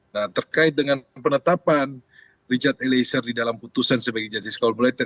nah terkait dengan penetapan richard eliezer di dalam putusan sebagai justice collaborator